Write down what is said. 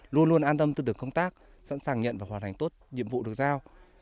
luôn luôn an tâm tư tưởng công tác sẵn sàng nhận và hoàn thành tốt nhiệm vụ được giao